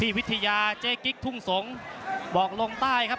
วิทยาเจ๊กิ๊กทุ่งสงศ์บอกลงใต้ครับ